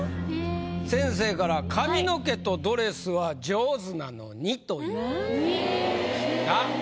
先生から「髪の毛とドレスは上手なのに」という事でございました。